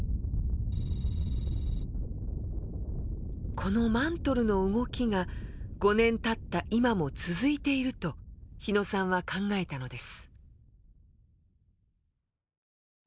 このマントルの動きが５年たった今も続いていると日野さんは考えたのです。